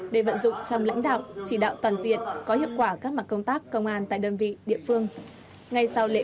để vận dụng trong lãnh đạo chỉ đạo toàn diện có hiệu quả các mặt công tác công an tại đơn vị địa phương